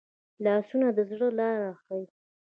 لاسونه د زړه لاره ښيي